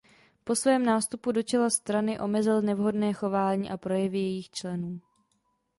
Po svém nástupu do čela strany omezil nevhodné chování a projevy jejích členů.